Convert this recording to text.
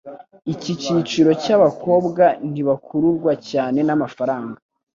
Icyi cyiciro cy'abakobwa ntibakururwa cyane n'amafaranga